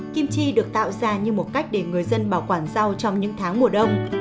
kim chi được tạo ra như một cách để người dân bảo quản rau trong những tháng mùa đông